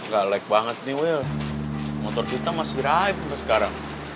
cepet banget nih wil motor kita masih drive gak sekarang